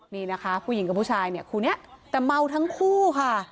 นี่นะคะผู้หญิงกับผู้ชายเนี่ยคู่นี้แต่เมาทั้งคู่ค่ะ